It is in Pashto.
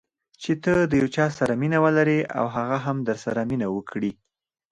چې ته د یو چا سره مینه ولرې او هغه هم درسره مینه وکړي.